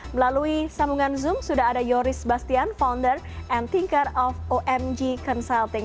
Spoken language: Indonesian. melalui sambungan zoom sudah ada yoris bastian founder and thinker of omg consulting